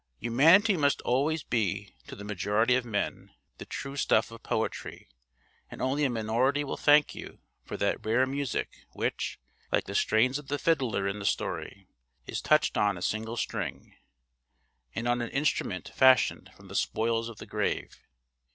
Humanity must always be, to the majority of men, the true stuff of poetry; and only a minority will thank you for that rare music which (like the strains of the fiddler in the story) is touched on a single string, and on an instrument fashioned from the spoils of the grave.